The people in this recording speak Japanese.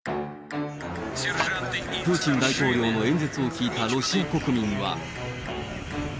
プーチン大統領の演説を聞いたロシア国民は。